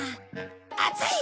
暑い！